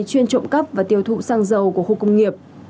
cấp và tiêu thụ xăng dầu của khu công nghiệp